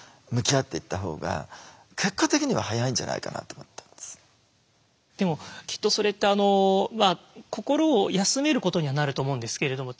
だったらでもきっとそれって心を休めることにはなると思うんですけれども。